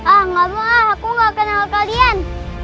ah enggak mau aku enggak kenal kalian